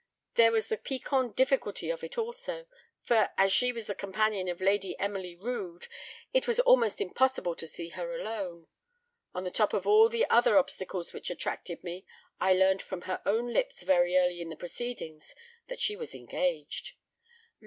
There was the piquant difficulty of it also, for, as she was the companion of Lady Emily Rood, it was almost impossible to see her alone. On the top of all the other obstacles which attracted me, I learned from her own lips very early in the proceedings that she was engaged."